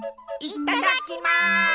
いただきます！